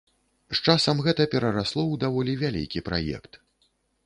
З часам гэта перарасло ў даволі вялікі праект.